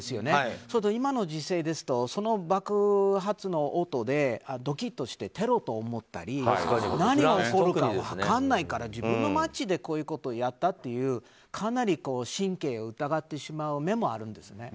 それと今のご時勢だとその爆発の音でドキッとしてテロと思ったり何が起こるか分からないから自分の街でこういうことをやったというかなり神経を疑ってしまう面もあるんですね。